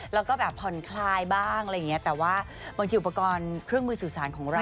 แล้วก็แบบผ่อนคลายบ้างอะไรอย่างเงี้ยแต่ว่าบางทีอุปกรณ์เครื่องมือสื่อสารของเรา